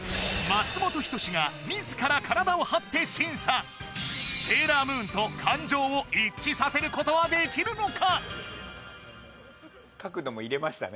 松本人志が自ら体をはって審査セーラームーンと感情を一致させることはできるのか？